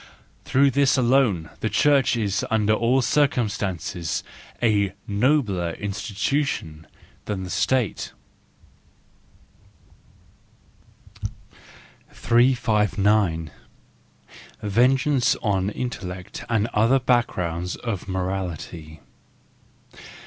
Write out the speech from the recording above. Through this alone the Church is under all circumstances a nobler institution than the State,— WE FEARLESS ONES 315 359* Vengeance on Intellect and other Backgrounds of Morality